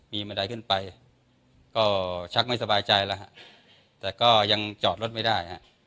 มีบันไดขึ้นไปก็ชักไม่สบายใจแล้วฮะแต่ก็ยังจอดรถไม่ได้ฮะ